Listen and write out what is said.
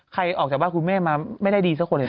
ออกจากบ้านคุณแม่มาไม่ได้ดีสักคนเลยนะ